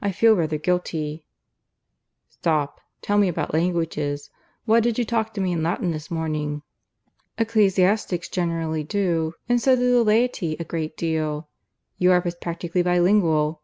I feel rather guilty " "Stop. Tell me about languages. Why did you talk to me in Latin this morning?" "Ecclesiastics generally do. And so do the laity a good deal. Europe is practically bi lingual.